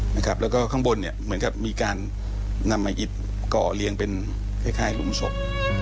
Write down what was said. แล้วก็ข้างบนเหมือนมีการนำมาอิดก่อเลี้ยงเป็นคล้ายลุ้มศพ